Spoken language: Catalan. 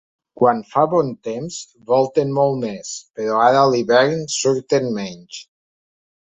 Quan fa bon temps volten molt més, però ara a l’hivern surten menys.